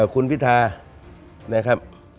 คุณพิธานะครับ